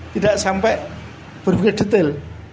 tidak sampai berpikir detail